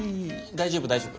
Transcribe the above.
大丈夫大丈夫。